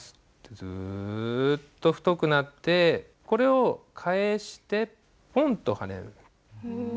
ズッと太くなってこれを返してポンとはねる。